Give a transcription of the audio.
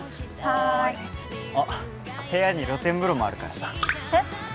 はーいあっ部屋に露天風呂もあるからさえっ？